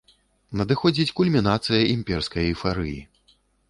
Надыходзіць кульмінацыя імперскай эйфарыі.